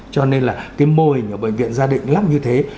cho nên là cái mô hình ở bệnh viện gia định lắm như thế